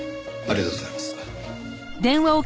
ありがとうございます。